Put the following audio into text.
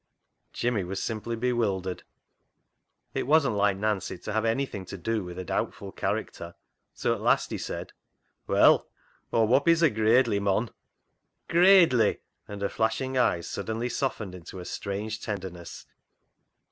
Jimmy was simply bewildered. It wasn't like Nancy to have anything to do with a doubtful character, so at last he said —«« HANGING HIS HAT UP" 79 " Well, Aw wop he's a gradely mon." ." Gradely !" and her flashing eyes suddenly softened into a strange tenderness.